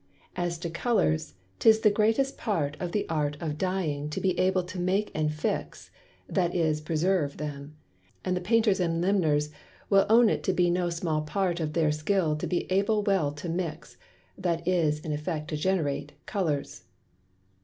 As to Colours, 'tis the greatest part of the Art of Dying to be able to make and fix (that is preserve) them; and the Painters and Limners will own it to be no small part of their Skill to be able well to Mix (that is, in effect, to Generate) Colours. 3.